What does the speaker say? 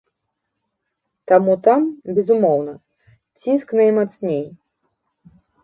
Таму там, безумоўна, ціск наймацней.